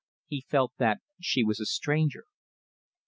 He felt that she was a stranger.